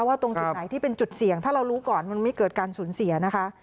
ว่าตรงที่ไหนเป็นจุดเสี่ยงถ้าเรารู้ก่อนมันไม่เกิดการสูญเสีย